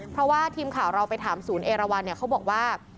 เพราะว่าทีมข่าวเราไปถามศูนย์เอราวันเนี่ยเขาบอกว่า